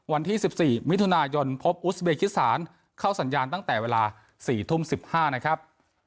วันที่สิบสี่มิถุนายนพบอุศเบียงฮิตศาลเข้าสัญญาณตั้งแต่เวลาสี่ทุ่มสิบห้านะครับ